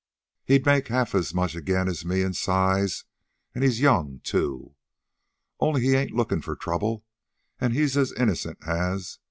He'd make half as much again as me in size an' he's young, too. Only he ain't lookin' for trouble, an' he's as innocent as...